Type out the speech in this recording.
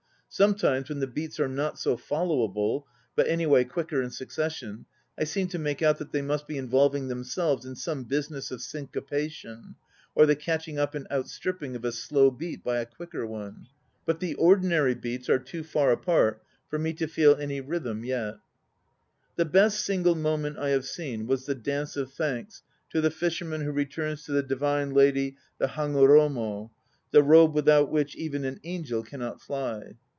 Sometimes when the beats are not so followable, but anyway quicker in succession, I seem to make out that they mu t be involving themselves in some business of syncopation, or the catch ing up and outstripping of a slow beat by a quicker one. But the ordinary beats are too far apart for me to feel any rhythm "The best single moment I have seen was the dance of thanks to the fisherman who returns to the divine lady the Hagoromo, the robe without which even an angel cannot fly.